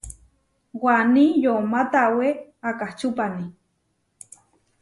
Waní yomá tawé akačúpani.